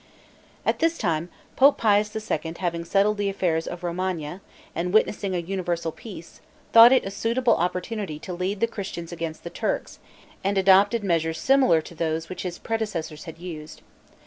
At this time, Pope Pius II. having settled the affairs of Romagna, and witnessing a universal peace, thought it a suitable opportunity to lead the Christians against the Turks, and adopted measures similar to those which his predecessors had used.